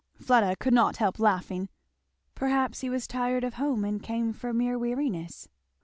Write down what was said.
Fleda could not help laughing. "Perhaps he was tired of home and came for mere weariness."